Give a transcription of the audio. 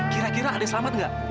kira kira ada yang selamat gak